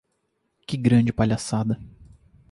Que grande palhaçada.